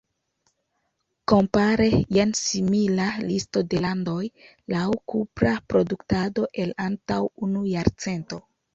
Kompare, jen simila listo de landoj laŭ kupra produktado el antaŭ unu jarcento.